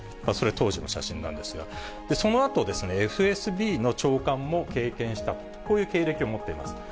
それ当時の写真なんですが、そのあと、ＦＳＢの長官も経験したと、こういう経歴を持っています。